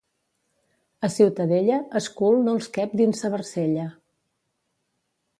A Ciutadella es cul no els quep dins sa barcella.